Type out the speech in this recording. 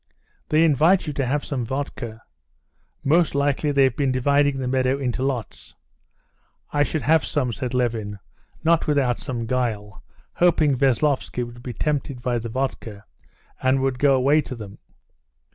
"They invite you to have some vodka. Most likely they've been dividing the meadow into lots. I should have some," said Levin, not without some guile, hoping Veslovsky would be tempted by the vodka, and would go away to them.